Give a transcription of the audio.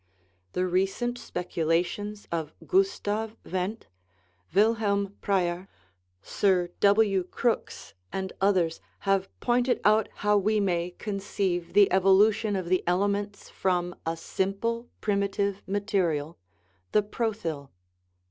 The recent speculations of Gustav Wendt, Wilhelm Preyer, Sir W. Crookes, and others, have pointed out how we may conceive the evolution of the elements from a sim ple primitive material, the prothyl.